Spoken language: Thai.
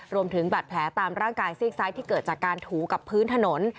รวมถึงบัตรแผลตามร่างกายซีกซ้ายที่เกิดจากการถูกับพื้นถนน